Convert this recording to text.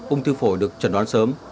ung thư phổi được chẩn đoán sớm